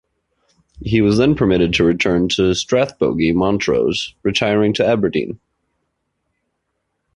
He was then permitted to return to Strathbogie, Montrose retiring to Aberdeen.